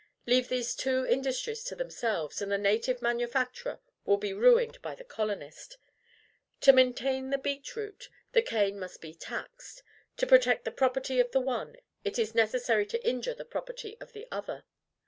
Leave these two industries to themselves, and the native manufacturer will be ruined by the colonist. To maintain the beet root, the cane must be taxed: to protect the property of the one, it is necessary to injure the property of the other.